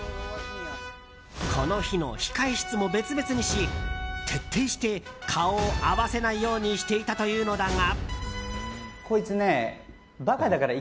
この日の控え室も別々にし徹底して顔を合わせないようにしていたというのだが。